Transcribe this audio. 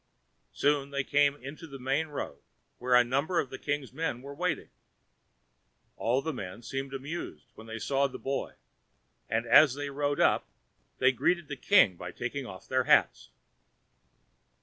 Soon they came into the main road where a number of the king's men were waiting. All the men seemed amused when they saw the boy, and as they rode up, they greeted the king by taking off their hats.